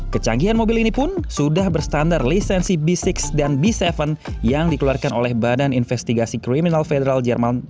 kecanggihan mobil ini pun sudah berstandar lisensi b enam dan b tujuh yang dikeluarkan oleh badan investigasi kriminal federal jerman